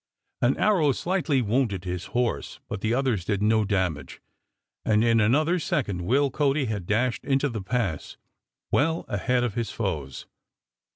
An arrow slightly wounded his horse, but the others did no damage, and in another second Will Cody had dashed into the pass well ahead of his foes.